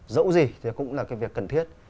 dẫu gì thì cũng là cái việc cần thiết